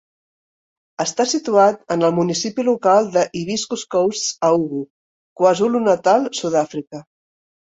Està situat en el Municipi Local de Hibiscus Coast a Ugu, KwaZulu-Natal, Sudàfrica.